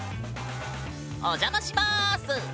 お邪魔します。